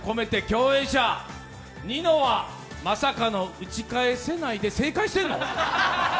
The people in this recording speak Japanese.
共演者ニノはまさかの「打ち返せない」で正解してんの？